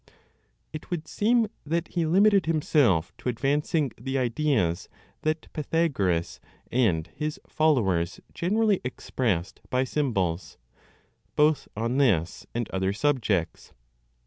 It would seem that he limited himself to advancing the ideas that Pythagoras and his followers generally expressed by symbols, both on this and other subjects.